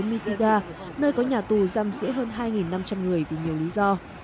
mitiga nơi có nhà tù giam dễ hơn hai năm trăm linh người vì nhiều lý do